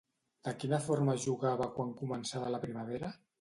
De quina forma jugava quan començava la primavera?